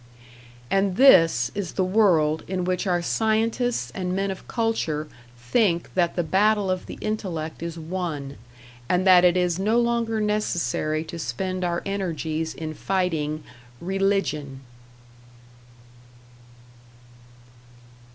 And this is the world in which our scientists and men of culture think that the battle of the intellect is won, and that it is no longer necessary to spend our energies in fighting "Religion!"